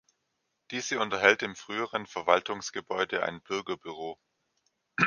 Diese unterhält im früheren Verwaltungsgebäude ein Bürgerbüro.